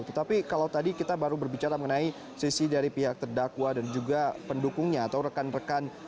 tetapi kalau tadi kita baru berbicara mengenai sisi dari pihak terdakwa dan juga pendukungnya atau rekan rekan